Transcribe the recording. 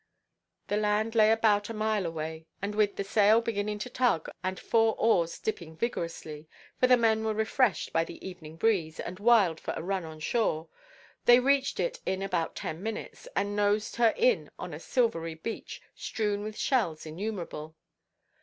The land lay about a mile away, and with the sail beginning to tug, and four oars dipping vigorously,—for the men were refreshed by the evening breeze, and wild for a run on shore,—they reached it in about ten minutes, and nosed her in on a silvery beach strewn with shells innumerable.